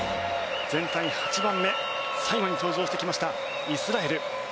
全体８番目最後に登場してきましたイスラエル。